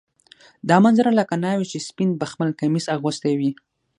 دا منظره لکه ناوې چې سپین بخمل کمیس اغوستی وي.